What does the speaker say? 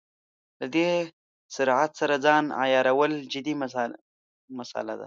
له دې سرعت سره ځان عیارول جدي مساله ده.